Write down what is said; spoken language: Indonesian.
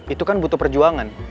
itu kan butuh perjuangan